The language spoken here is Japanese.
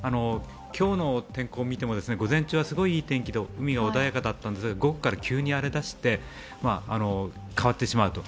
今日の天候を見ても午前中はすごいいい天気で海が穏やかだったんですけど午後から急に荒れだして変わってしまうと。